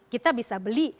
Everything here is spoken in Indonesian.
kita bisa beli